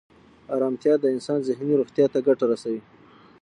ارامتیا د انسان ذهني روغتیا ته ګټه رسوي.